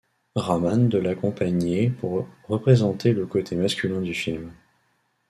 Rahman de l'accompagner pour représenter le côté masculin du film.